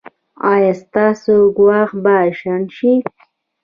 ایا ستاسو ګواښ به شنډ شي؟